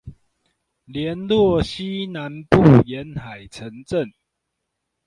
聯絡西南部沿海城鎮